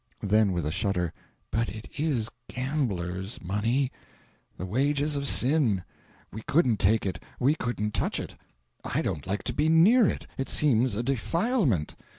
Then, with a shudder "But it is GAMBLERS' money! the wages of sin; we couldn't take it; we couldn't touch it. I don't like to be near it; it seems a defilement."